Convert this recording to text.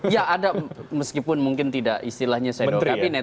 ya ada meskipun mungkin tidak istilahnya shadow cabinet